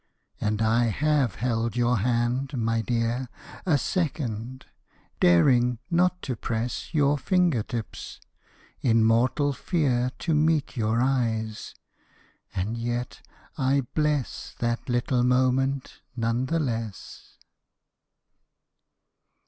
And I have held your hand, my dear, A second, daring not to press Your finger tips, in mortal fear To meet your eyes; and yet I bless That little moment none the less.